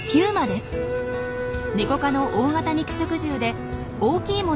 ネコ科の大型肉食獣で大きいものは体長２ｍ。